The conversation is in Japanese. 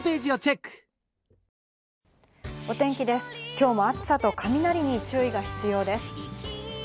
今日も暑さと雷に注意が必要です。